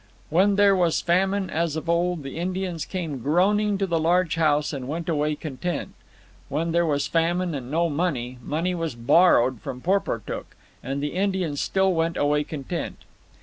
When there was famine, as of old, the Indians came groaning to the large house and went away content. When there was famine and no money, money was borrowed from Porportuk, and the Indians still went away content.